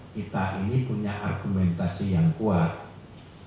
kita ini punya argumentasi yang kuat